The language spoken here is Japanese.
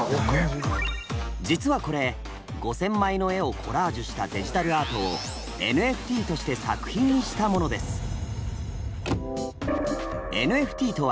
実はこれ５，０００枚の絵をコラージュしたデジタルアートを「ＮＦＴ」として作品にしたものです。